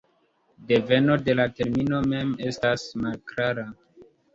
Deveno de la termino mem estas malklara.